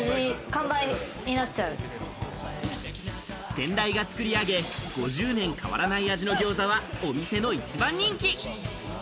先代が作り上げ、５０年変わらない味のギョーザはお店の一番人気。